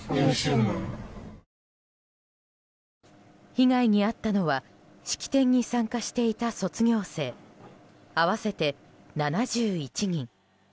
被害に遭ったのは式典に参加していた卒業生合わせて７１人。